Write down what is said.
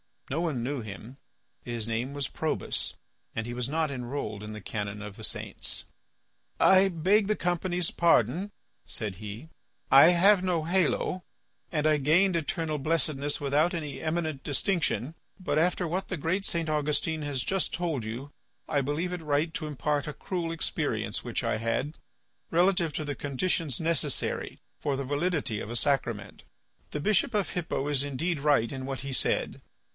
No one knew him. His name was Probus, and he was not enrolled in the canon of the saints. "I beg the company's pardon," said he, "I have no halo, and I gained eternal blessedness without any eminent distinction. But after what the great St. Augustine has just told you I believe it right to impart a cruel experience, which I had, relative to the conditions necessary for the validity of a sacrament. The bishop of Hippo is indeed right in what he said.